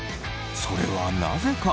それはなぜか？